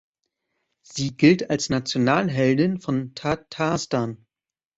Sie gilt als Nationalheldin von Tatarstan.